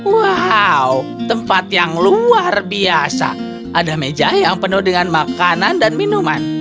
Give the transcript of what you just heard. wow tempat yang luar biasa ada meja yang penuh dengan makanan dan minuman